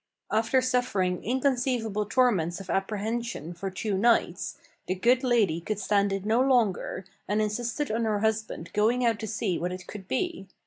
After suffering inconceivable torments of apprehension for two nights, the good lady could stand it no longer, and insisted on her husband going out to see what it could be.